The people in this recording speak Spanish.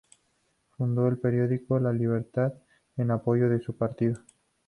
Fundó el periódico "La Libertad" en apoyo de su partido.